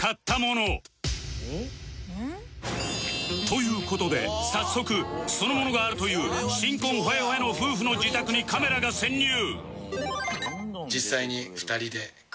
という事で早速そのものがあるという新婚ほやほやの夫婦の自宅にカメラが潜入